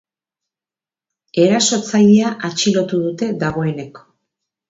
Erasotzailea atxilotu dute dagoeneko.